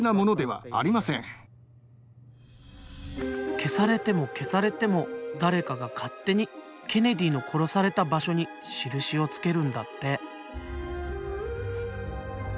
消されても消されても誰かが勝手にケネディの殺された場所に印をつけるんだって。